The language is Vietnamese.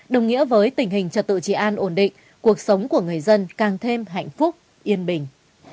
đồng nghĩa với tình hình trật tự trị an ổn định cuộc sống của người dân càng thêm hạnh phúc yên bình